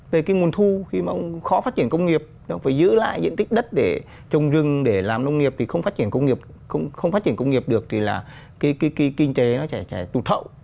về cái nguồn thu khi mà khó phát triển công nghiệp phải giữ lại diện tích đất để trồng rừng để làm nông nghiệp thì không phát triển công nghiệp được thì là cái kinh tế nó chả tụt thậu